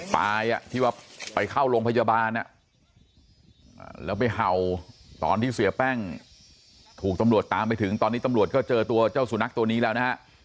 ที่ว่าไปเข้าโรงพยาบาลแล้วไปเห่าตอนที่เสียแป้งถูกตำรวจตามไปถึงตอนนี้ตำรวจก็เจอตัวเจ้าสุนัขตัวนี้แล้วนะฮะ